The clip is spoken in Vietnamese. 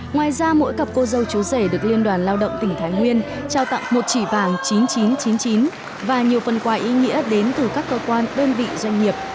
ngoài ra mỗi cặp cô dâu chú rể được liên đoàn lao động tỉnh thái nguyên trao tặng một chỉ vàng chín nghìn chín trăm chín mươi chín và nhiều phần quà ý nghĩa đến từ các cơ quan đơn vị doanh nghiệp